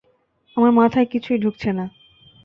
আমার মাথায় কিছুই ঢুকছে না!